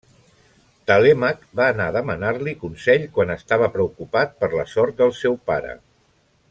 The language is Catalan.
Telèmac va anar a demanar-li consell quan estava preocupat per la sort del seu pare.